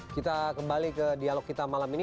kita kembali ke dialog kita malam ini